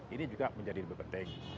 ini juga menjadi lebih penting